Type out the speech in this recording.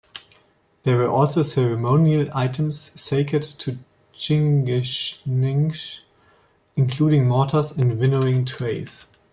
There were also ceremonial items sacred to Chingichngish, including mortars and winnowing trays.